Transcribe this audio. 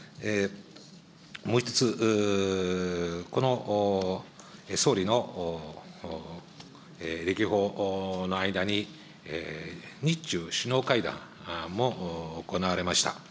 もう１つ、この総理の歴訪の間に、日中首脳会談も行われました。